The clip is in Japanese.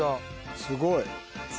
すごい。